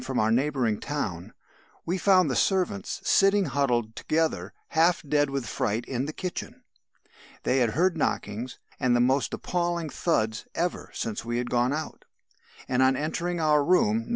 from a neighbouring town, we found the servants sitting huddled together, half dead with fright in the kitchen. They had heard knockings and the most appalling thuds ever since we had gone out; and on entering our room (No.